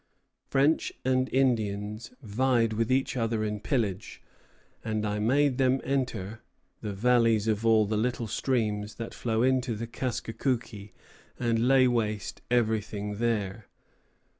French and Indians vied with each other in pillage, and I made them enter the [valleys of all the] little streams that flow into the Kaskékouké and lay waste everything there....